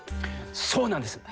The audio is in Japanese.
そうなんです！